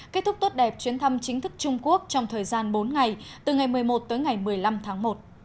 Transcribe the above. kết thúc tốt đẹp chuyến thăm chính thức trung quốc trong thời gian bốn ngày từ ngày một mươi một tới ngày một mươi năm tháng một